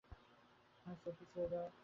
ঠিক আছে, পিছিয়ে যাও।